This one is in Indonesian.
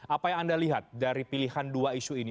apa yang anda lihat dari pilihan dua isu ini